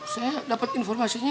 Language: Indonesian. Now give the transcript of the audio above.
saya dapat informasinya